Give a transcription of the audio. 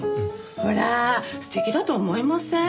ほら素敵だと思いません？